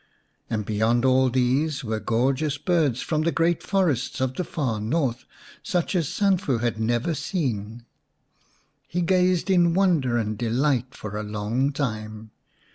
And beyond all these were gorgeous birds from the great forests of the far north such as Sanfu had never seen. He gazed in wonder and delight for a long time.